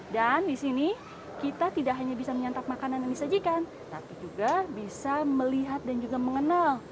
dan di sini kita tidak hanya bisa menyantap makanan yang disajikan tapi juga bisa melihat dan juga mengenal